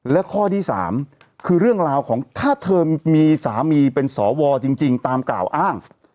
และข้อที่๓คือเรื่องราวของถ้าเธอมีสามีเป็นสวจริงตามกล่าวอ้าง